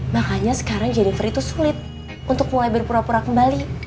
makanya sekarang jennifer itu sulit untuk mulai berpura pura kembali